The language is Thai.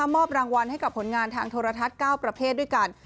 มอบรางวัลให้กับผลงานทางโทรทัศน์๙ประเภทด้วยกัน